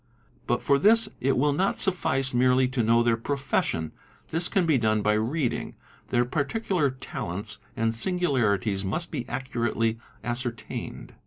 But for this it will not suffice merely to know their profession, this can be done by reading; their particular talents and singularities must be accurately ascertained.